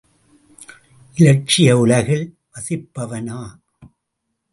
இலட்சிய உலகில் வசிப்பவனா?